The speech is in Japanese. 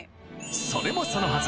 それもそのはず